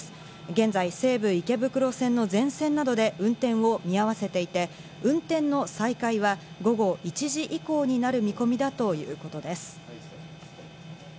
現在、西武池袋線の全線などで運転を見合わせていて、運転の再開は午後１時以降になる見込みだということです。